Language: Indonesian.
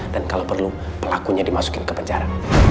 dan kalo perlu pelakunya dimasukin ke penjara